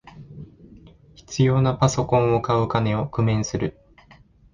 必要なパソコンを買う金を工面する